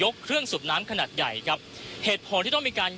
คุณทัศนาควดทองเลยค่ะ